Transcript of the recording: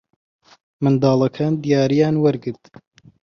منداڵەکان دیارییان وەرگرت.